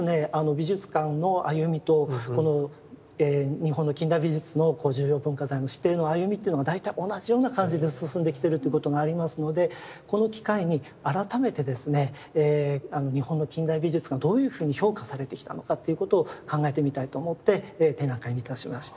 美術館の歩みとこの日本の近代美術の重要文化財の指定の歩みというのが大体同じような感じで進んできてるということがありますのでこの機会に改めてですね日本の近代美術がどういうふうに評価されてきたのかっていうことを考えてみたいと思って展覧会にいたしました。